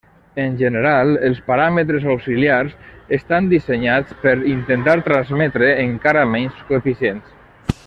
En general, els paràmetres auxiliars estan dissenyats per intentar transmetre encara menys coeficients.